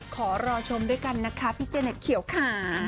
ขอรอชมด้วยกันนะคะพี่เจเน็ตเขียวขา